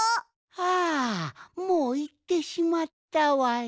あもういってしまったわい。